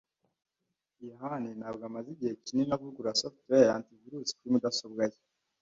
yohani ntabwo amaze igihe kinini avugurura software ya antivirus kuri mudasobwa ye.